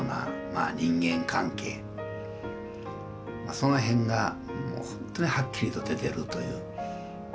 その辺がもう本当にはっきりと出てるという。